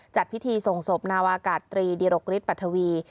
จัดพิธีส่งศพนาวากาศตรีดิรกฤทธปัทวี